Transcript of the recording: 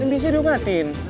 kan biasanya diobatin